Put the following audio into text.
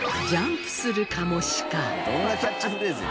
どんなキャッチフレーズよ。